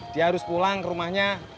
dia harus pulang ke rumahnya